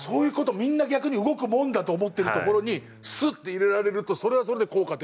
みんな逆に動くもんだと思ってるところにスッて入れられるとそれはそれで効果的？